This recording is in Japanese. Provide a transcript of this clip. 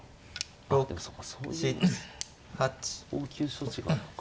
ああでもそうかそういう応急処置があるのか。